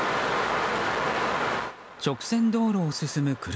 直線道路を進む車。